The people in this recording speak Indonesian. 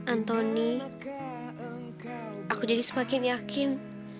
anthony aku jadi semakin yakin